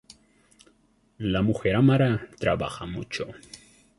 La mujer Amhara trabaja mucho.